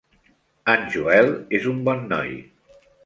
El Joel és un bon noi.